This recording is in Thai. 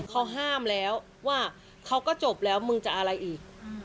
เขาห้ามแล้วว่าเขาก็จบแล้วมึงจะอะไรอีก